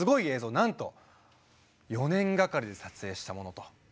なんと４年がかりで撮影したものと。